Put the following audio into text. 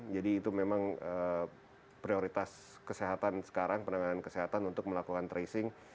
jadi itu memang prioritas kesehatan sekarang penanganan kesehatan untuk melakukan tracing